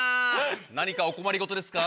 何かお困り事ですか？